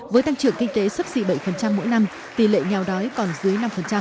với tăng trưởng kinh tế sấp xỉ bảy mỗi năm tỷ lệ nghèo đói còn dưới năm